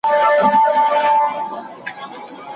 فارابي دا هم وايي.